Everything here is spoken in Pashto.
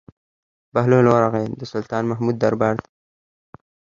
بهلول ورغى د سلطان محمود دربار ته.